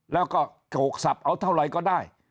แล้วก็โกรธศัพท์เอาเท่าไหร่ก็ได้